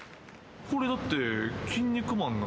これだって。